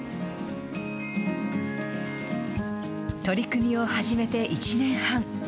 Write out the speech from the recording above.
取り組みを始めて１年半。